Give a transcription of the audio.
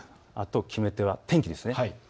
決め手は天気です。